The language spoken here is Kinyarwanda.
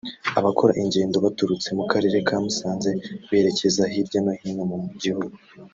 Abakora ingendo baturutse mu karere ka Musanze berekeza hirya no hino mu gihugu